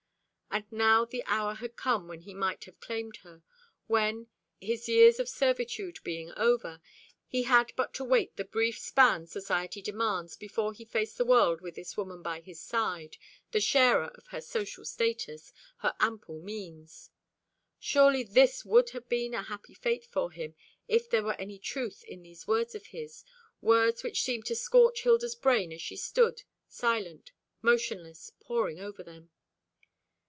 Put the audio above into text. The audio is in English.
And now the hour had come when he might have claimed her, when, his years of servitude being over, he had but to wait the brief span society demands, before he faced the world with this woman by his side, the sharer of her social status, her ample means. Surely this would have been a happy fate for him, if there were any truth in these words of his, words which seemed to scorch Hilda's brain as she stood, silent, motionless, poring over them.